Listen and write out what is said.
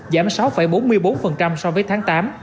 giảm sáu bốn mươi bốn so với tháng tám